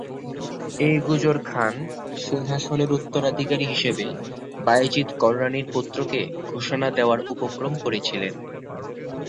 এ গুজর খান সিংহাসনের উত্তরাধিকারী হিসেবে বায়েজীদ কররানীর পুত্রকে ঘোষণা দেওয়ার উপক্রম করেছিলেন।